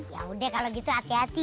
ya udah kalau gitu hati hati